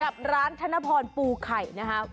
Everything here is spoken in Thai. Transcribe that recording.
กับร้านธนพรปูไข่นะครับ